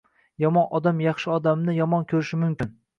Yomon odam yaxshi odamni yomon ko‘rishi mumkin.